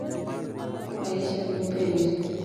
Aisha ne openje.